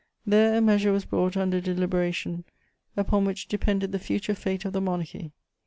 There a measure was brought under deliberation upon which depended the future fate of the monarchy.